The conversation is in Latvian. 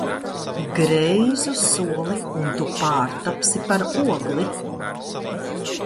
Greizu soli un tu pārtapsi par ogli!